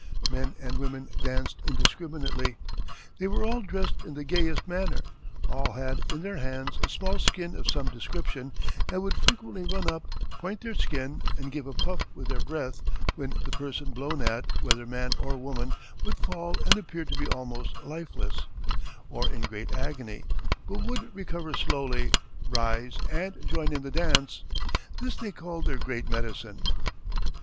Men and women danced indiscriminately. They were all dressed in the gayest manner; all had in their hands a small skin of some description, and would frequently run up, point their skin, and give a puff with their breath; when the person blown at, whether man or woman, would fall and appear to be almost lifeless, or in great agony; but would recover slowly, rise, and join in the dance. This they called their great medicine."